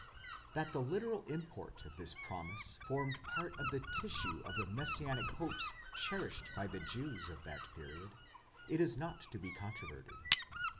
That the literal import of this promise formed part of the tissue of the messianic hopes cherished by the Jews of that period, is not to be contro verted.